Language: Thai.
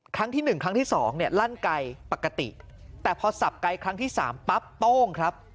ครั้งที่๑ครั้งที่สองเนี่ยลั่นไกลปกติแต่พอสับไกลครั้งที่๓ปั๊บโป้งครับ